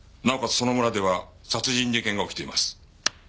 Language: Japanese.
その村では殺人事件が起きています。